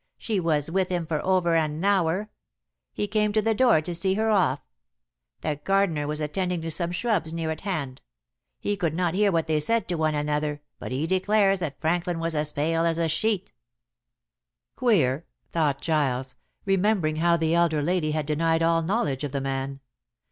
She was with him for over an hour. He came to the door to see her off. The gardener was attending to some shrubs near at hand. He could not hear what they said to one another, but declares that Franklin was as pale as a sheet." "Queer," thought Giles, remembering how the elder lady had denied all knowledge of the man.